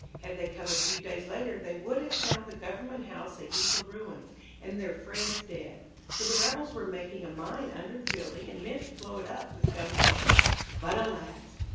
Had they come a few days later they would have found the Government House a heap of ruins, and their friends dead, for the rebels were making a mine under the building and meant to blow it up with gunpowder. But alas!